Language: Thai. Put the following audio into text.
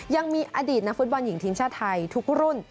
ยังมีอดีตนักฟุตบอลหญิงทีมชาติไทยทุกรุ่น